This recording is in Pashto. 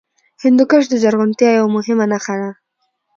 هندوکش د زرغونتیا یوه مهمه نښه ده.